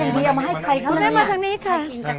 ทางนี้ทางนี้ค่ะ